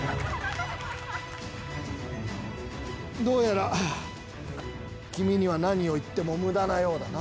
どうやら君には何を言っても無駄なようだな。